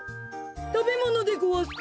たべものでごわすか？